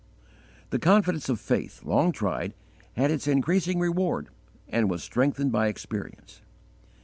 _ The confidence of faith, long tried, had its increasing reward and was strengthened by experience.